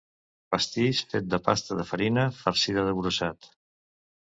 Pastís fet de pasta de farina farcida de brossat.